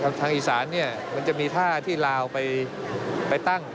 ทางอีสานเนี่ยมันจะมีท่าที่ลาวไปตั้ง